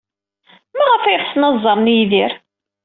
Maɣef ay ɣsen ad ẓren Yidir?